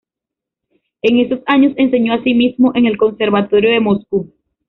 En esos años enseñó así mismo en el Conservatorio de Moscú.